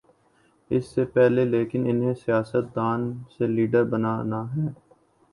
اس سے پہلے لیکن انہیں سیاست دان سے لیڈر بننا ہے۔